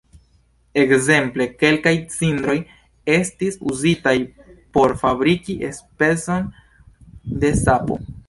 Ekzemple kelkaj cindroj estis uzitaj por fabriki specon de sapo.